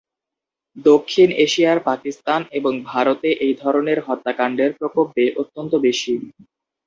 দক্ষিণ এশিয়ার পাকিস্তান এবং ভারতে এই ধরনের হত্যাকাণ্ডের প্রকোপ অত্যন্ত বেশি।